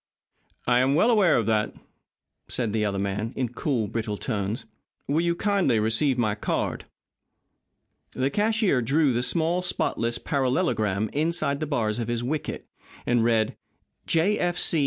"I am well aware of that," said the other man, in cool, brittle tones. "Will you kindly receive my card?" The cashier drew the small, spotless parallelogram inside the bars of his wicket, and read: J. F. C.